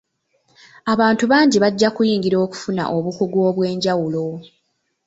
Abantu bangi bajja kuyingira okufuna obukugu obwenjawulo.